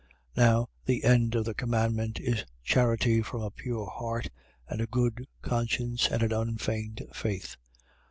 1:5. Now the end of the commandment is charity from a pure heart, and a good conscience, and an unfeigned faith.